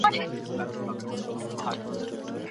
هیلې خپل زنګونونه په خپلو لاسونو کې کلک ونیول.